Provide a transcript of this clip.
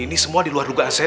ini semua diluar dugaan saya